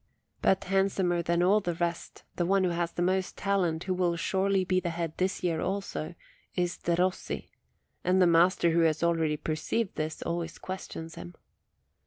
But handsomer than all the rest, the one who has the most talent, who will surely be the head this year also, is Derossi; and the master, who has already perceived this, always questions him.